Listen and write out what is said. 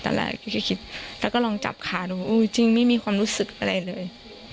ตอนแรกพี่คิดแล้วก็ลองจับคาดูจริงไม่มีความรู้สึกอะไรเลย